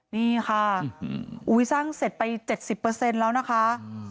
นี่ค่ะสร้างเสร็จไป๗๐แล้วนะคะ